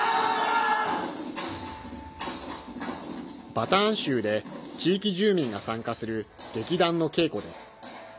バターン州で地域住民が参加する劇団の稽古です。